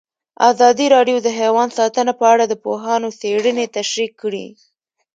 ازادي راډیو د حیوان ساتنه په اړه د پوهانو څېړنې تشریح کړې.